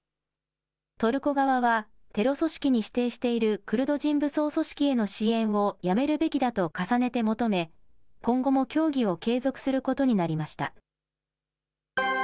トルコ側は、テロ組織に指定しているクルド人武装組織への支援をやめるべきだと重ねて求め、今後も協議を継続することになりました。